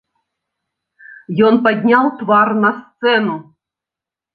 Ён падняў твар на сцэну.